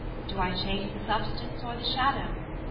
do I chase The substance or the shadow?